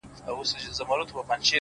o ائینه زړونه درواغ وایي چي نه مرو،